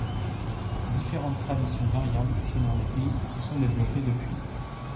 Différentes traditions variables selon les pays se sont développées depuis.